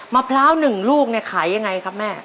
มะพร้าวหนึ่งลูกเนี่ยขายยังไงครับแม่